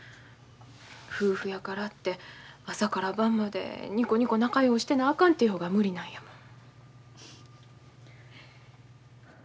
夫婦やからって朝から晩までニコニコ仲ようしてなあかんという方が無理なんやもん。